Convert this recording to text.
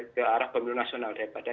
ke arah pemilu nasional daripada